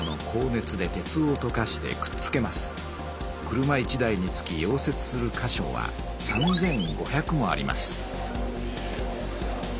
車１台につき溶接するか所は３，５００もあります。